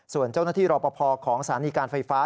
ส่วนเจ้าหน้าที่รอปภของสถานีการไฟฟ้า